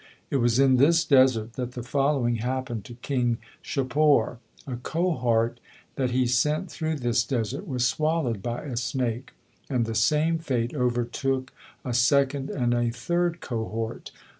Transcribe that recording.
It was in this desert that the following happened to King Shapor: A cohort that he sent through this desert was swallowed by a snake, and the same fate overtook a second and a third cohort.